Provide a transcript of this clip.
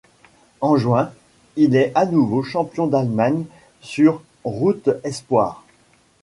En juin, il est à nouveau champion d'Allemagne sur route espoirs.